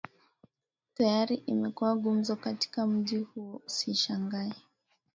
tayari imekuwa gumzo katika mji huo Usishangae